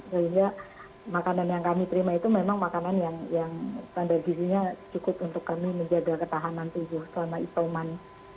sehingga makanan yang kami terima itu memang makanan yang standar gizinya cukup untuk kami menjaga ketahanan tubuh selama isoman